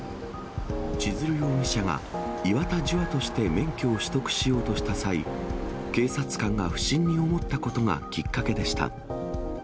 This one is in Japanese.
千鶴容疑者が、岩田樹亞として免許を取得しようとした際、警察官が不審に思ったことがきっかけでした。